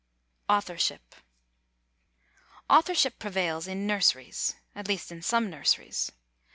AUTHORSHIP Authorship prevails in nurseries at least in some nurseries.